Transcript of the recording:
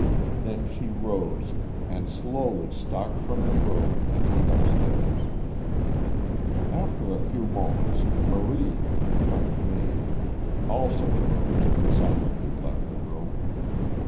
Then she rose, and slowly stalked from the room and went upstairs. After a few moments, Marie, the French maid, also rose and silently left the room.